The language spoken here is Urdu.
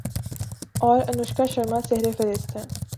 اور انوشکا شرما سرِ فہرست ہیں